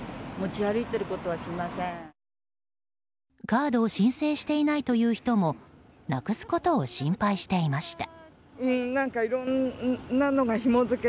カードを申請していないという人もなくすことを心配していました。